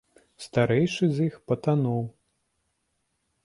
Старэйшы з іх патануў.